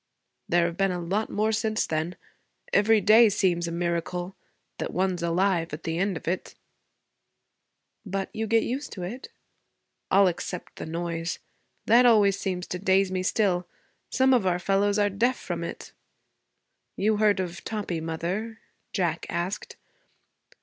'There have been a lot more since then. Every day seems a miracle that one's alive at the end of it.' 'But you get used to it?' 'All except the noise. That always seems to daze me still. Some of our fellows are deaf from it. You heard of Toppie, mother?' Jack asked.